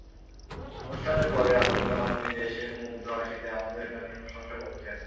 অনুষ্ঠানের পরে আবদুল কালাম নিজে এসে মুগ্ধ হাসিতে আমাদের গানের প্রশংসা করতেন।